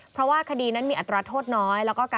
เพราะว่าคดีนั้นมีอัตราโทษน้อย